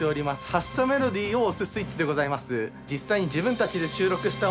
発車メロディーを押すスイッチでございます。